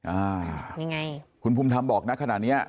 อ่าคุณพุมธรรมบอกนะขนาดนี้